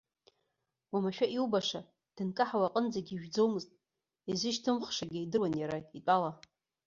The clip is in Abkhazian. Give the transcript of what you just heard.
Уамашәа иубаша, дынкаҳауа аҟынӡагьы ижәӡомызт, изышьҭымхшагьы идыруан иара итәала.